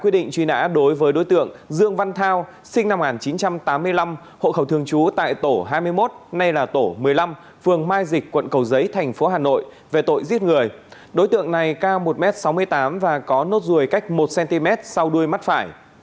đối tượng này cao một m sáu mươi tám và có nốt ruồi cách một cm sau đuôi mắt phải